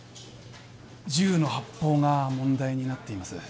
銃の発砲が問題になっています